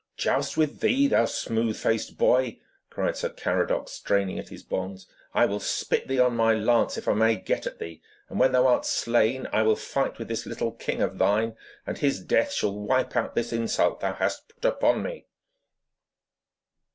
'Joust with thee, thou smooth faced boy!' cried Sir Caradoc, straining at his bonds. 'I will spit thee on my lance if I may get at thee, and when thou art slain I will fight with this little king of thine and his death shall wipe out this insult thou hast put upon me!'